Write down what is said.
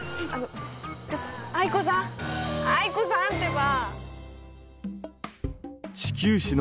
ちょっ藍子さん藍子さんってば！